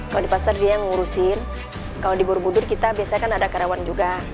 kalau di pasar dia yang ngurusin kalau di borobudur kita biasanya kan ada karyawan juga